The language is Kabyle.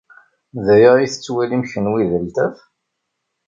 D aya ay tettwalim kenwi d altaf?